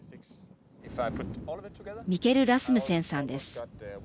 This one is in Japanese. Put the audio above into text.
ミケル・ラスムセンさんです。